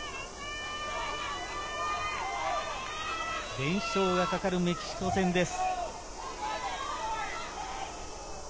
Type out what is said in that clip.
連勝がかかるメキシコ戦です。